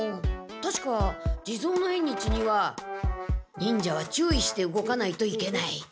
たしか地蔵の縁日には忍者は注意して動かないといけない。